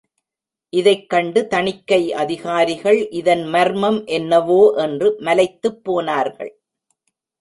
இதைக் கண்டு தணிக்கை அதிகாரிகள் இதன் மர்மம் என்னவோ என்று மலைத்துப் போனார்கள்.